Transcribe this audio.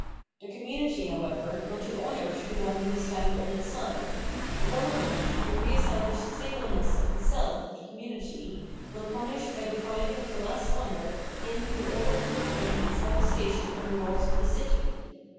The community, however, will do honour to the one who is found on its side; the government, the re established singleness of the self of the community, will punish by depriving of the last honour him who already proclaimed its devastation on the walls of the city.